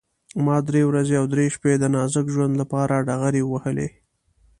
ما درې ورځې او درې شپې د نازک ژوند لپاره ډغرې ووهلې.